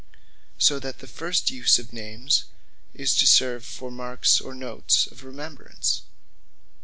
So that the first use of names, is to serve for Markes, or Notes of remembrance.